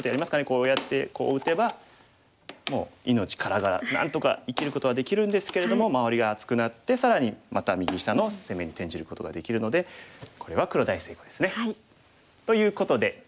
こうやってこう打てばもう命からがらなんとか生きることはできるんですけれども周りが厚くなって更にまた右下の攻めに転じることができるのでこれは黒大成功ですね。ということで。